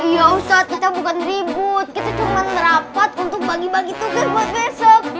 ya ustadz kita bukan ribut kita cuma serapat untuk bagi bagi tugas buat besok